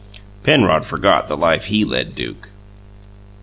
Penrod forgot the life he led Duke.